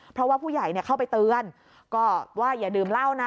เพราะผู้ใหญ่เข้าไปเตือนอย่าดื่มเล่านะ